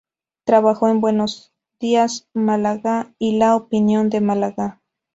Trabajó en "Buenos Días Málaga" y "La Opinión de Málaga".